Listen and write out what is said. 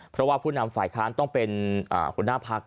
เพราะว่าผู้นำฝ่ายค้านต้องเป็นหัวหน้าพัก